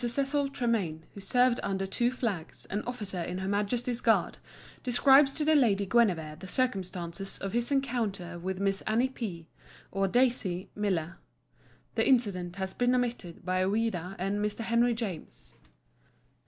Cecil Tremayne, who served "Under Two Flags," an officer in her Majesty's Guards, describes to the Lady Guinevere the circumstances of his encounter with Miss Annie P. (or Daisy) Miller. The incident has been omitted by Ouida and Mr. Henry James.